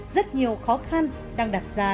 rất nhiều khó khăn đang đặt ra